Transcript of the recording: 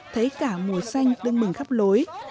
thấy cả mùa xanh tưng bừng khắp lối